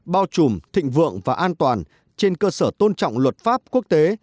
bao trùm thịnh vượng và an toàn trên cơ sở tôn trọng luật pháp quốc tế